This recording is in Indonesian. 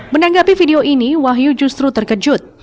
menanggapi video ini wahyu justru terkejut